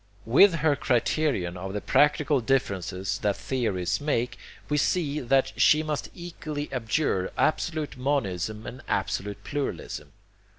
With her criterion of the practical differences that theories make, we see that she must equally abjure absolute monism and absolute pluralism.